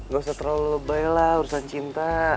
gak usah terlalu lebay lah urusan cinta